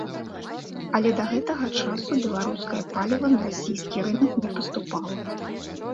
Але да гэтага часу беларускае паліва на расійскі рынак не паступала.